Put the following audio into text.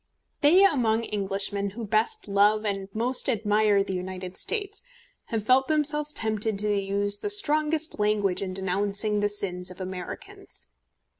They among Englishmen who best love and most admire the United States, have felt themselves tempted to use the strongest language in denouncing the sins of Americans.